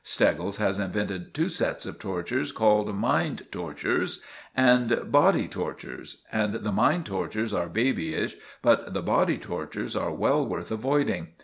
Steggles has invented two sets of tortures called 'mind tortures' and 'body tortures'; and the mind tortures are babyish, but the body tortures are well worth avoiding.